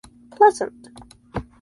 Pleasant.